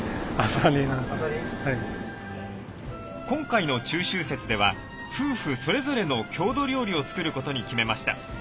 今回の中秋節では夫婦それぞれの郷土料理を作ることに決めました。